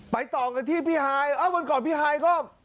ต่อกันที่พี่ฮายเอ้าวันก่อนพี่ฮายก็